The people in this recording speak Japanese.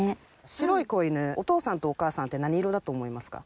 白い子犬お父さんとお母さんって何色だと思いますか？